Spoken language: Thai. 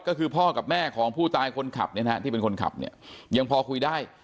ก็คือพ่อกับแม่ของผู้ตายคนขับยังพอคุยได้